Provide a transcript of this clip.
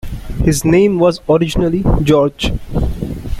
His name was originally George.